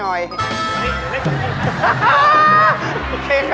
นี่อยู่ในคุณที่นี่